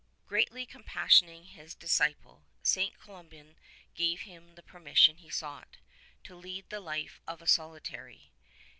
Greatly compas sionating his disciple, St. Columban gave him the permission he sought, to lead the life of a solitary.